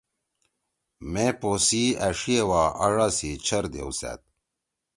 مے پو سی أݜیِئے وا آڙا سی چھر دیؤسأد۔